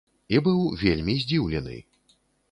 І быў вельмі здзіўлены.